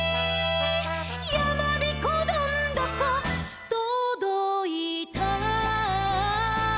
「やまびこどんどことどいた」